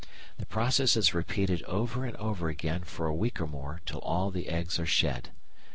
The process is repeated over and over again for a week or more till all the eggs are shed.